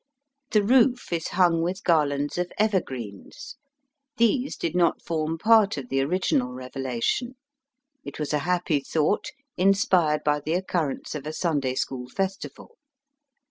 The roof is hung with garlands of evergreens. These did not form part of the original revelation. It was a happy thought inspired by the occurrence of a Sunday school festival.